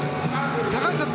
高橋さん